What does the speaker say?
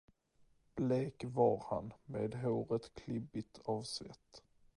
Blek var han, med håret klibbigt av svett.